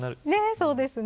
そうですね。